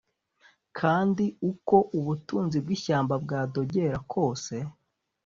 Kandi uko ubutunzi bw’ishyamba bwadogera kwose